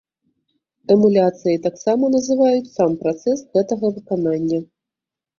Эмуляцыяй таксама называюць сам працэс гэтага выканання.